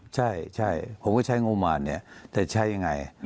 ใช่ใช่ผมก็ใช้งบประมาณเนี่ยแต่ใช้อย่างไร